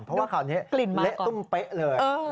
เพราะว่าข่าวนี้เละตุ้มเป๊ะเลย